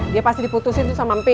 dia pasti diputusin sama empi